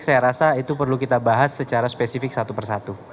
saya rasa itu perlu kita bahas secara spesifik satu persatu